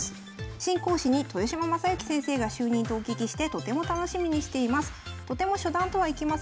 「新講師に豊島将之先生が就任とお聞きしてとても楽しみにしています」。ということです。